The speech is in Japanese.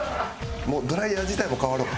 もうドライヤー自体も代わろう。